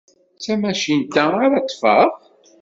D tamacint-a ara ṭṭfeɣ?